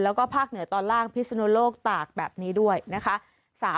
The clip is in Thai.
แล้วก็ภาคเหนือตอนล่างพิศนุโลกตากแบบนี้ด้วยนะคะ